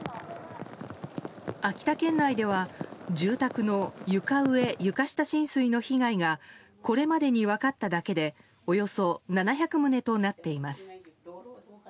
秋田県内では住宅の床上・床下浸水の被害がこれまでに分かっただけでおよそ７００棟となっています。